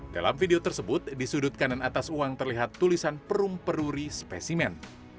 dalam video tersebut di sudut kanan atas uang terlihat tulisan perum peruri spesimen